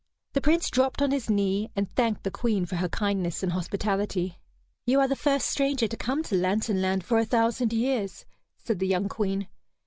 The Prince dropped on his knee, and thanked the Queen for her kindness and hospitality. "You are the first stranger to come to Lantern Land for a thousand years," said the young Queen.